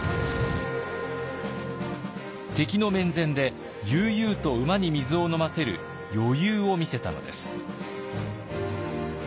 敵の面前で悠々と馬に水を飲ませる余裕を見せたのです。